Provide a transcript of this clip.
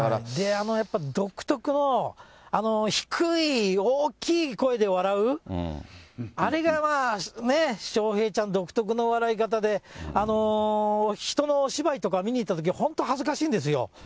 あの独特の、あの低い大きい声で笑う、あれがまあね、笑瓶ちゃん独特の笑い方で、人のお芝居とか見に行ったとき、本当、恥ずかしいんですよ。